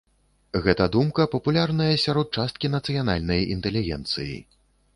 Гэта думка папулярная сярод часткі нацыянальнай інтэлігенцыі.